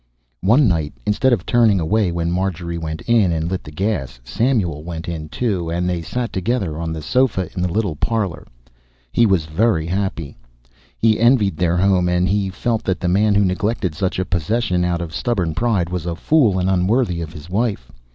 One night, instead of turning away when Marjorie went in and lit the gas, Samuel went in, too, and they sat together on the sofa in the little parlor. He was very happy. He envied their home, and he felt that the man who neglected such a possession out of stubborn pride was a fool and unworthy of his wife.